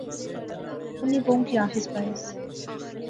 اُنی بہوں کی آخیس بائیس